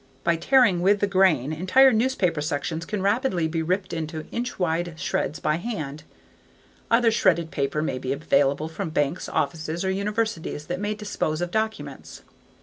By tearing with the grain, entire newspaper sections can rapidly be ripped into inch wide shreds by hand. Other shredded paper may be available from banks, offices, or universities that may dispose of documents.